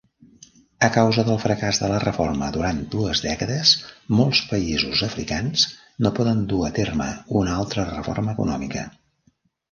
A causa del fracàs de la reforma durant dues dècades, molts països africans no poden dur a terme una altra reforma econòmica.